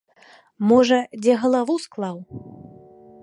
Можа, дзе галаву склаў!